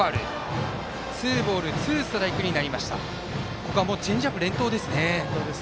ここはもうチェンジアップ連投ですね。